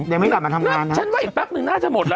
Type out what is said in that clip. ยังไม่กลับมาทำงานน่ะงั้นเดี๋ยวเดี๋ยว